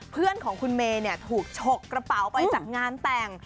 เพื่อนของคุณเมย์ถูกฉกกระเป๋าไปจากงานแต่ง